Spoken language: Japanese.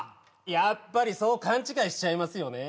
やっぱりそう勘違いしちゃいますよね